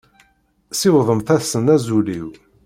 Siwḍemt-asen azul-iw.